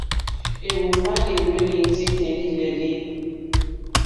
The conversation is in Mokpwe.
Éhwùmá éhwélì ndí tèŋɡí!lélí.